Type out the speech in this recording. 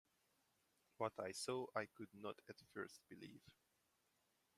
What I saw I could not at first believe.